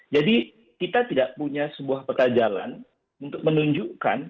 jadi kita tidak punya sebuah peta jalan untuk menunjukkan